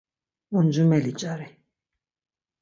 Uncumeli cari.